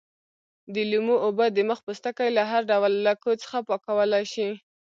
د لیمو اوبه د مخ پوستکی له هر ډول لکو څخه پاکولای شي.